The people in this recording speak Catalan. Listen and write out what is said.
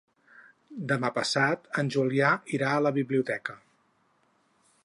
Demà passat en Julià irà a la biblioteca.